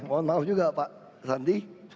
mohon maaf juga pak sandi